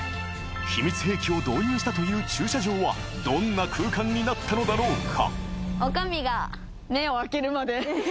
［秘密兵器を導入したという駐車場はどんな空間になったのだろうか？］